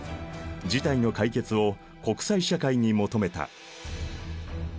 事態の解決を国際社会に求めた。